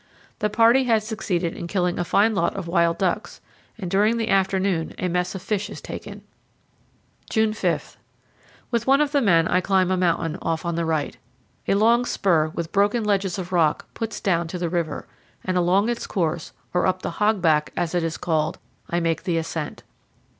The party has succeeded in killing a fine lot of wild ducks, and during the afternoon a mess of fish is taken. June 5. With one of the men I climb a mountain, off on the right. A long spur, with broken ledges of rock, puts down to the river, and along its course, or up the "hogback," as it is called, I make the ascent.